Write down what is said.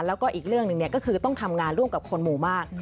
แล้วก็อีกเรื่องหนึ่งก็คือต้องทำงานร่วมกับคนหมู่มาก